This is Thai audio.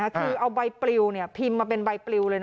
คือเอาใบปลิวพิมพ์มาเป็นใบปลิวเลยนะ